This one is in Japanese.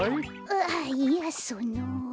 ああいやその。